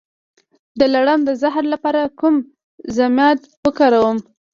د لړم د زهر لپاره کوم ضماد وکاروم؟